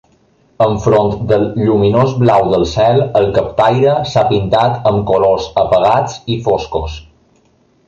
Enfront del lluminós blau del cel, el captaire s'ha pintat amb colors apagats i foscos.